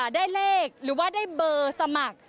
ได้เลขหรือว่าได้เบอร์สมัคร